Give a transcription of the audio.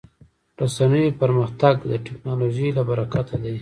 د رسنیو پرمختګ د ټکنالوژۍ له برکته دی.